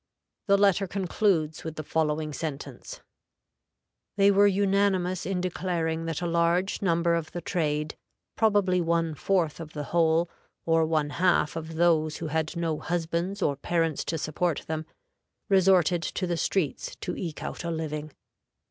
The letter concludes with the following sentence: "They were unanimous in declaring that a large number of the trade probably one fourth of the whole, or one half of those who had no husbands or parents to support them resorted to the streets to eke out a living.